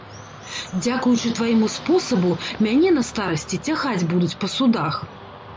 Дзякуючы твайму спосабу мяне на старасці цягаць будуць па судах.